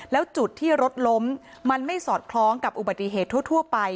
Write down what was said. แล้วจุดที่รถล้มมันไม่สอดคล้องกับอุบัติเหตุทั่วไป